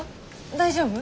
大丈夫？